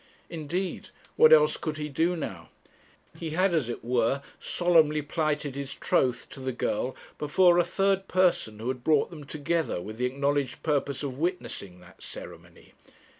Indeed, what else could he do now? He had, as it were, solemnly plighted his troth to the girl before a third person who had brought them together, with the acknowledged purpose of witnessing that ceremony.